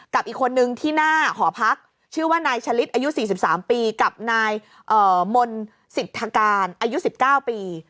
กับอีกคนนึงที่หน้าหอพักชื่อว่านายชะลิดอายุ๔๓ปีกับนายมนต์สิทธการอายุ๑๙ปี